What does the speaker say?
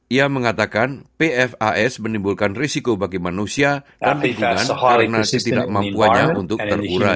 ia mengatakan pfas menimbulkan risiko bagi manusia dan lingkungan karena tidak mampu untuk terburai